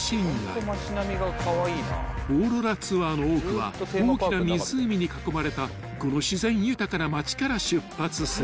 ［オーロラツアーの多くは大きな湖に囲まれたこの自然豊かな街から出発する］